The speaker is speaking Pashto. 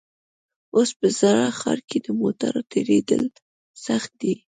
اوس په زاړه ښار کې د موټرو تېرېدل سخت دي.